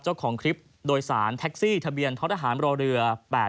เจ้าของคลิปโดยสารแท็กซี่ทะเบียนท้อทหารรอเรือ๘๘